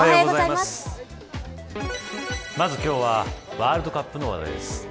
まず今日はワールドカップの話題です。